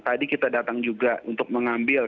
tadi kita datang juga untuk mengambil